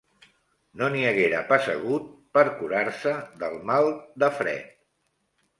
No n'hi haguera pas hagut per curar-se del mal de fred